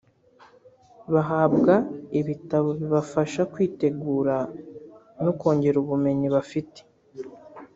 bahabwa ibitabo bibafasha kwitegura no kongera ubumenyi bafite